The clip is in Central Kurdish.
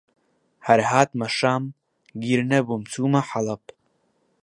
هەر هاتمە شام، گیر نەبووم چوومە حەڵەب